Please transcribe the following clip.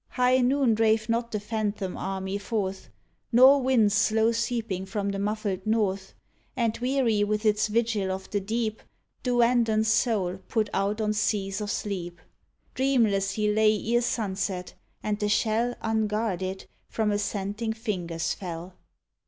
High noon drave not the phantom army forth. Nor winds slow seeping from the muffled North, And weary with its vigil of the deep, 17 DUANDON Duandon's soul put out on seas of sleep; Dreamless he lay ere sunset, and the shell, Unguarded, from assenting fingers fell.